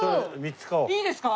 いいですか？